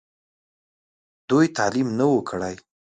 دوي تعليم نۀ وو کړی